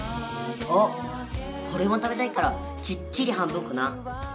あっおれも食べたいからきっちり半分こな。